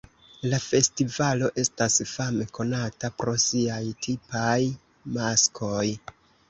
La festivalo estas fame konata pro siaj tipaj maskoj.